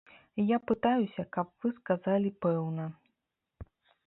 Я пытаюся, каб вы сказалі пэўна!